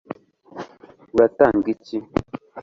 uratanga iki